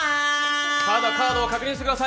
カードを確認してください